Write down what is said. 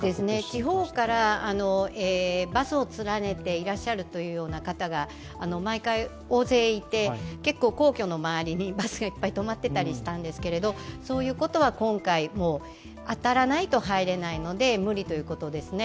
地方からバスを連ねていらっしゃるというような方が毎回大勢いて、結構皇居の周りにバスがいっぱい止まっていたりしたんですけれども、そういうことは今回、当たらないと入れないので無理ということですね。